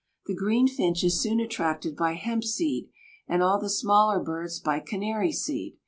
The greenfinch is soon attracted by hemp seed, and all the smaller birds by canary seed.